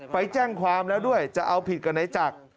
ไปแจ้งความแล้วด้วยจะเอาผิดกับนายจักร